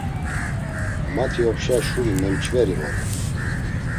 Mati opşa şuri memç̌veri vore.